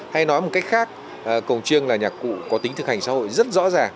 hay nói một cách khác cổng chiêng là nhạc cụ có tính thực hành xã hội rất rõ ràng